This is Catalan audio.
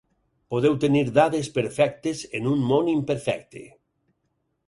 Podeu tenir dades perfectes en un món imperfecte.